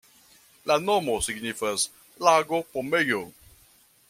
La nomo signifas lago-pomejo.